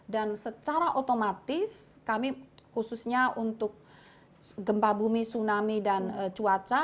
dan secara otomatis kami khususnya untuk gempa bumi tsunami dan cuaca